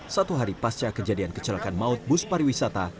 satu hari pasca kejadian kecelakaan maut bus pariwisata